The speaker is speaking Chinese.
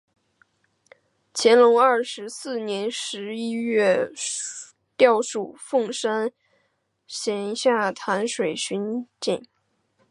乾隆二十四年十一月调署凤山县下淡水巡检。